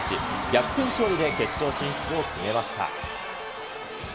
逆転勝利で決勝進出を決めました。